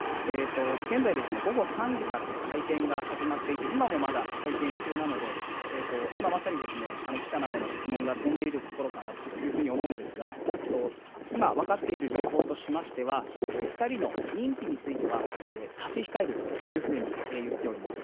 現在ですね、午後３時から会見が始まっていて、今もまだ会見中なので、今まさに記者などの質問が飛んでいるところかなというふうに思うんですが、今、分かっている情報としましては、２人の認否については差し控えるというふうに言っております。